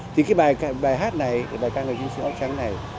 thì cái bài hát này thì bài ca người chiến sĩ áo trắng này